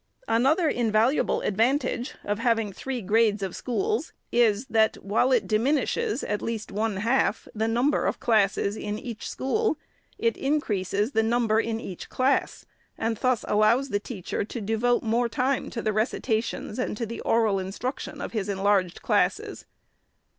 Another invaluable advantage of having three grades of schools is, that while it dimin ishes, at least one half, the number of classes in each school, it increases the number in each class, and thus allows the teacher to devote more time to the recitations and to the oral instruction of his enlarged classes.